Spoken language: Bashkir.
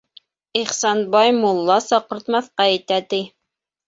Ихсанбай мулла саҡыртмаҫҡа итә, ти.